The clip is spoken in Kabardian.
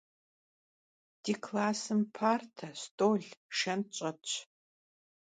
Di klassım parte, st'ol, şşent ş'etş.